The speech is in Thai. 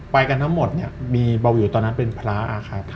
ไปกันทั้งหมดเนี่ยมีเบาวิวตอนนั้นเป็นพระครับ